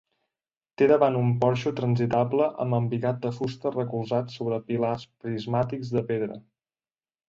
Té davant un porxo transitable amb embigat de fusta recolzat sobre pilars prismàtics de pedra.